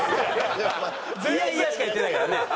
「いやいや」しか言ってないからね。